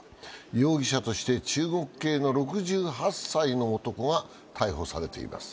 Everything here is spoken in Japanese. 容疑者として中国系の６８歳の男が逮捕されています。